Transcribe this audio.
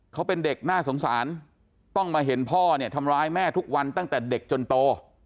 เขาเป็นเด็กน่าสงสารต้องมาเห็นพ่อเนี่ยทำร้ายแม่ทุกวันตั้งแต่เด็กจนโต